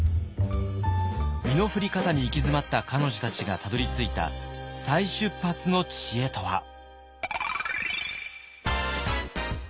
身の振り方に行き詰まった彼女たちがたどりついた再出発の知恵とは。